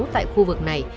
tại khu vực này